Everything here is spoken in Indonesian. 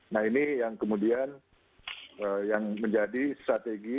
nah ini yang kemudian yang menjadi strategi